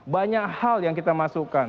banyak hal yang kita masukkan